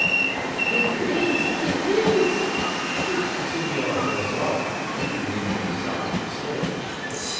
"It is! It is!" shrieked Signora Rosaura, peeking in from the side of the stage.